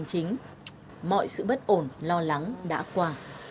còn bây giờ thì sao ạ